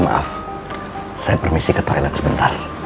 maaf saya permisi ke toilet sebentar